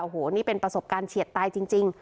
โอ้โหนี่เป็นประสบการณ์เฉียดตายจริง